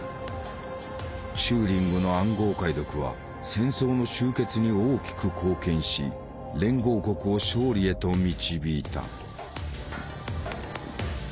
チューリングの暗号解読は戦争の終結に大きく貢献し連合国を勝利へと導いた。